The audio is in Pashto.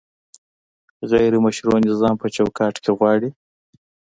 غیر مشروع نظام په چوکاټ کې غواړي؟